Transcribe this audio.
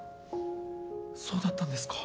そうだったんですか。